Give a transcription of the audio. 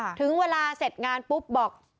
เมื่อเวลาเสร็จงานปุ๊บบอก